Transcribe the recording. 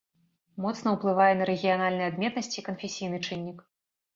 Моцна ўплывае на рэгіянальныя адметнасці канфесійны чыннік.